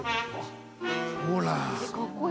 ほら。